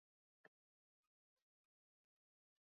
bakteria hao na mbinu zinazotumika kuangamiza kupe